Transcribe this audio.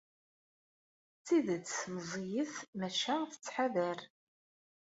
D tidet meẓẓiyet, maca tettḥadar.